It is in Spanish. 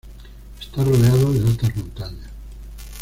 Está rodeado de altas montañas.